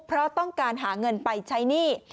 เพราะต้องการหาเงินไปใช้หนี้